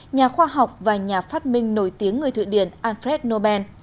nhà khoa học và nhà phát minh nổi tiếng người thụy điển alfred nobel